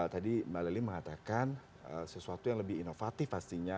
tadi mbak lely mengatakan sesuatu yang lebih inovatif pastinya